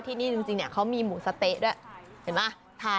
ที่นี่จริงเนี่ยเขามีหมูสะเต๊ะด้วยเห็นไหม